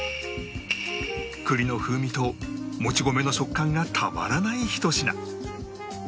栗の風味と餅米の食感がたまらないひと品